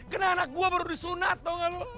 kena anak gue baru disunat tau gak lu